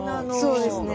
そうですね。